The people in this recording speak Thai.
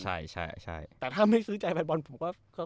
ใช่แต่ถ้าไม่ซื้อใจแฟนบอลผมก็